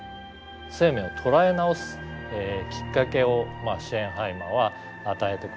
生命を捉え直すきっかけをシェーンハイマーは与えてくれたわけなんですね。